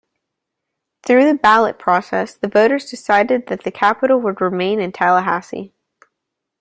Through the ballot process, the voters decided that the capital would remain in Tallahassee.